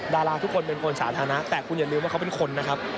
ดาราทุกคนเป็นคนสาธารณะแต่คุณอย่าลืมว่าเขาเป็นคนนะครับ